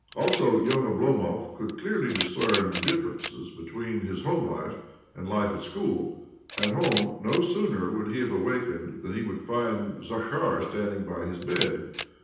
Also, young Oblomov could clearly discern the differences between his home life and life at school. At home, no sooner would he have awakened than he would find Zakhar standing by his bed.